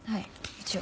一応。